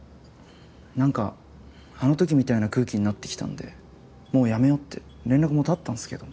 何かあのときみたいな空気になってきたんでもうやめよって連絡も断ったんすけど。